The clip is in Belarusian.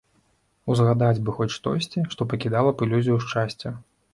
Узгадаць бы хоць штосьці, што пакідала б ілюзію шчасця.